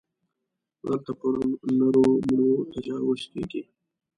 دلته پر نرو مړو تجاوز کېږي.